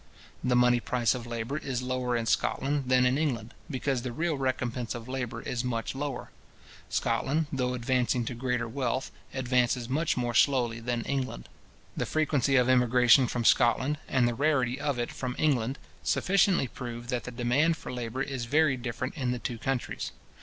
The money price of labour is lower in Scotland than in England, because the real recompence of labour is much lower: Scotland, though advancing to greater wealth, advances much more slowly than England. The frequency of emigration from Scotland, and the rarity of it from England, sufficiently prove that the demand for labour is very different in the two countries.